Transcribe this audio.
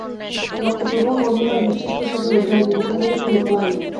রক্তপ্রবাহ বন্ধ হয়, নিঃশ্বাস-প্রশ্বাসও রুদ্ধ হয়, কিন্তু সাধকের তো মৃত্যু হয় না।